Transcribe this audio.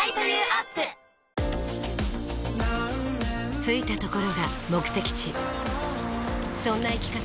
着いたところが目的地そんな生き方